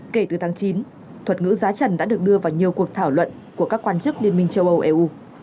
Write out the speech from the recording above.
kể từ tháng chín thuật ngữ giá trần đã được đưa vào nhiều cuộc thảo luận của các quan chức liên minh châu âu eu